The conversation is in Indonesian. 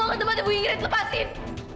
aku mau ke tempatnya bu ingrid lepasin